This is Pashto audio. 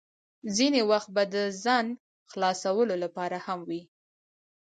ځینې وخت به د ځان خلاصولو لپاره هم وې.